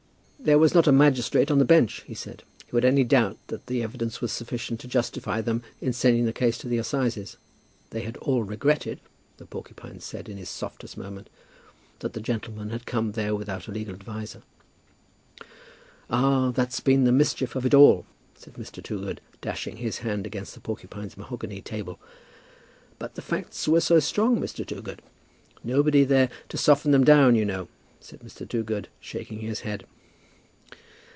"There was not a magistrate on the bench," he said, "who had any doubt that the evidence was sufficient to justify them in sending the case to the assizes. They had all regretted," the porcupine said in his softest moment, "that the gentleman had come there without a legal adviser." "Ah, that's been the mischief of it all!" said Mr. Toogood, dashing his hand against the porcupine's mahogany table. "But the facts were so strong, Mr. Toogood!" "Nobody there to soften 'em down, you know," said Mr. Toogood, shaking his head.